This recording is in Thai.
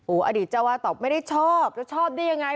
อดีตเจ้าวาดตอบไม่ได้ชอบแล้วชอบได้ยังไง